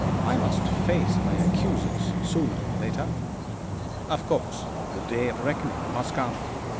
'I must face my accusers, sooner or later.' 'Of course. The day of reckoning must come.